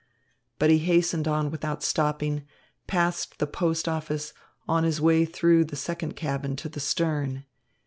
But he hastened on without stopping, past the post office, on his way through the second cabin to the stern.